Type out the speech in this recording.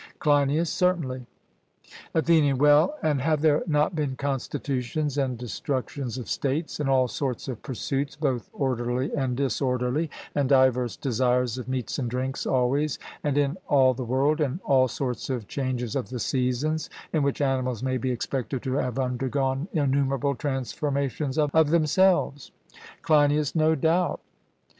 CLEINIAS: Certainly. ATHENIAN: Well, and have there not been constitutions and destructions of states, and all sorts of pursuits both orderly and disorderly, and diverse desires of meats and drinks always, and in all the world, and all sorts of changes of the seasons in which animals may be expected to have undergone innumerable transformations of themselves? CLEINIAS: No doubt.